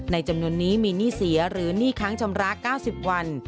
จำนวนนี้มีหนี้เสียหรือหนี้ค้างชำระ๙๐วัน